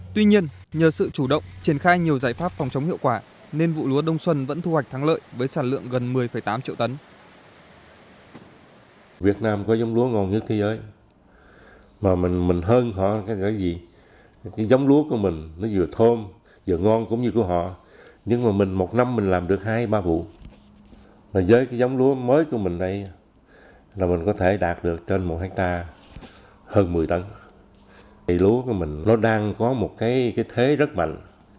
tuy nhiên nhờ sự chủ động triển khai nhiều giải pháp phòng chống hiệu quả nên vụ lúa đông xuân vẫn thu hoạch thắng lợi với sản lượng gần một mươi tám triệu tấn